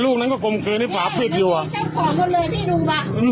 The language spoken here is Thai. ลูกนั้นก็กลมเกลียงที่ฝาปิดอยู่อ่ะมันมีเจ้าของกันเลยที่ดูบ้างอืม